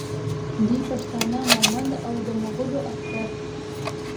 دوی پښتانه مومند او د مغول اکبر